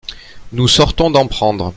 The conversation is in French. Nous sortons d’en prendre.